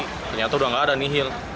ternyata udah gak ada nihil